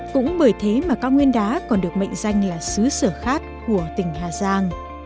cũng bởi thế mà cao nguyên đá còn được mệnh danh là xứ sở khát của tỉnh hà giang